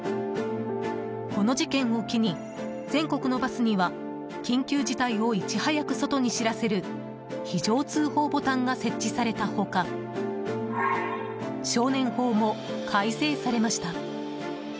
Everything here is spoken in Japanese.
この事件を機に、全国のバスには緊急事態をいち早く外に知らせる非常通報ボタンが設置された他少年法も改正されました。